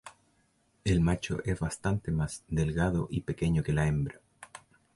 El macho es bastante más delgado y pequeño que la hembra.